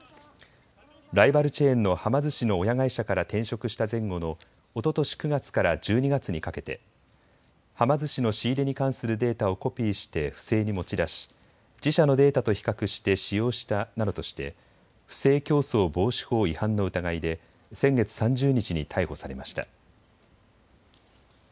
ライバルチェーンのはま寿司の親会社から転職した前後のおととし９月から１２月にかけてはま寿司の仕入れに関するデータをコピーして不正に持ち出し自社のデータと比較して使用したなどとして不正競争防止法違反の疑いで先月３０日に逮捕されました。